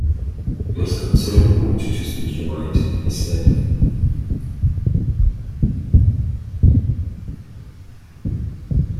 It is considered rude to speak your mind, he said.